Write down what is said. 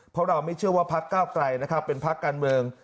เพราะเราไม่เชื่อว่าภักดิ์เก้าไกรเป็นภักดิ์การเมือง